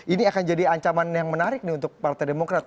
ini akan jadi ancaman yang menarik nih untuk partai demokrat